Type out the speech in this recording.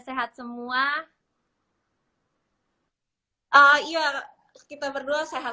ya kita berdua sehat